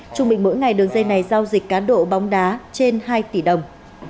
trung bình mỗi ngày đường dây này giao dịch cá độ bóng đá trên hai tỷ đồng